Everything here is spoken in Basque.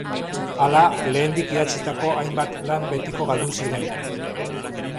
Hala, lehendik idatzitako hainbat lan betiko galdu ziren.